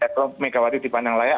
kalau megawati dipandang layak